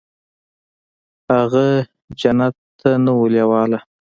هغه ﷺ جنګ ته نه و لېواله.